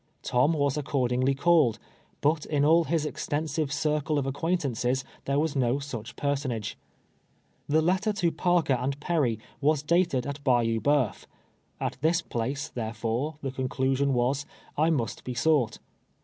Tom was accordingly called, but in all his extensive cir cle of acquaintances there was no sudi personage. The letter to Parker and Perry was dated at Eayou Bceuf. At this place, therefore, the conclusion was, I must be sought.